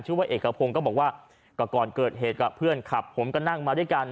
ว่าเอกพงศ์ก็บอกว่าก็ก่อนเกิดเหตุกับเพื่อนขับผมก็นั่งมาด้วยกัน